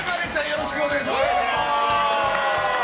よろしくお願いします。